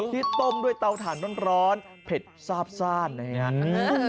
ที่ต้มด้วยเตาถ่านร้อนเผ็ดซาบซ่านนะครับ